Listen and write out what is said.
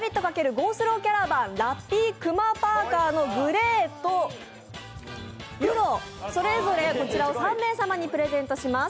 ×ｇｏｓｌｏｗｃａｒａｖａｎ、ラッピークマパーカーのグレーと黒、それぞれこちらを３名様にプレゼントします。